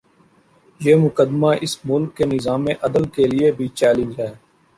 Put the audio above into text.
یہ مقدمہ اس ملک کے نظام عدل کے لیے بھی چیلنج ہے۔